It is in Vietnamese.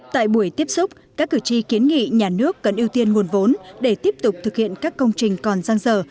tại buổi tiếp xúc các cử tri kiến nghị nhà nước cần ưu tiên nguồn vốn để tiếp tục thực hiện các công trình còn giang dở